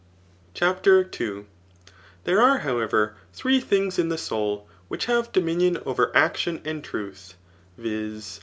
CHAPTER 11. There are, however, three things in the soul, which luive dominion over action and truth, viz.